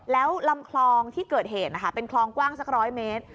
แล้วลำคลองที่เกิดเหตุนะคะเป็นคลองกว้างสัก๑๐๐เมตร